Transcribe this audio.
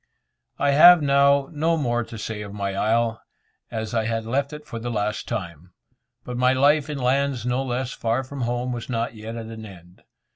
I have now no more to say of my isle, as I had left it for the last time, but my life in lands no less far from home was not yet at an end.